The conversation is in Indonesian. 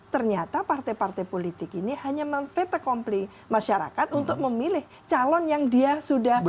ternyata partai partai politik ini hanya memveta kompli masyarakat untuk memilih calon yang dia sudah